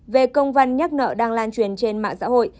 về công văn nhắc nợ đang lan truyền trên mạng xã hội